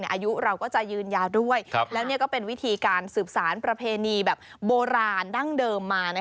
อายุเราก็จะยืนยาวด้วยแล้วก็เป็นวิธีการสืบสารประเพณีแบบโบราณดั้งเดิมมา